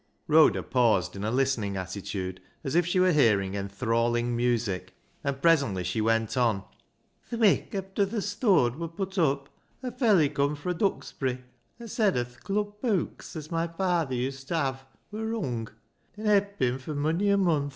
Rhoda paused in a listening attitude, as if she were hearing enthralling music, and presently she went on —" Th' wik efther th' stooan were put up, a felley cum fro' Duxbury an' said as th' club beuks as my faythcr used t' have wur wrung, an' hed bin fur mony a munth."